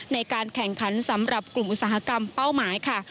ในการแข่งขันสำหรับกลุ่มอุตสาหกรรมเป้าหมายค่ะ